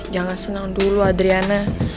jangan senang dulu adriana